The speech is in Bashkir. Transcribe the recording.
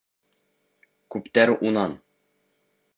Күптәр унан: